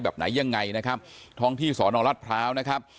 แบบไหนยังไงนะครับท้องที่สอนอรัฐพร้าวนะครับ